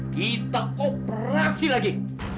kita operasi lagi